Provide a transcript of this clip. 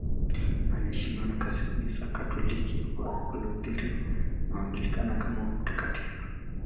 Anaheshimiwa na Kanisa Katoliki, Walutheri na Waanglikana kama mtakatifu.